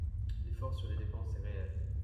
L’effort sur les dépenses est réel.